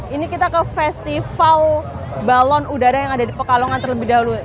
ini kita ke festival balon udara yang ada di pekalongan terlebih dahulu